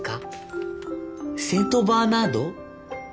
セントバーナード？